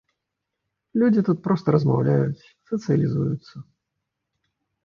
Людзі тут проста размаўляюць, сацыялізуюцца.